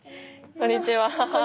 こんにちは。